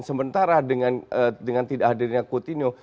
sementara dengan tidak hadirnya coutinho